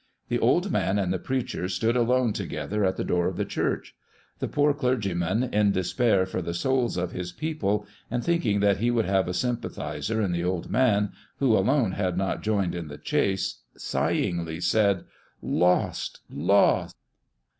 The old man and the preacher stood alone together at the door of the church. The poor clergyman, in despair for the souls of his people, and thinking that he would have a sympathiser in the old man, who alone had not joined in the chase, sighingly said, " Lost, lost!"